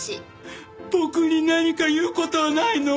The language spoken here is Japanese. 僕に何か言う事はないの？